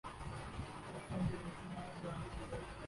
لفظوں سے کھیلنا جانتی ہے